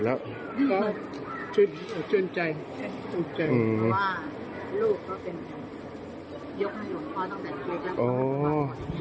ทนใจว่าลูกเขาเป็นยกน้อยห่วงพ่อตั้งแต่๓ชั่วโดน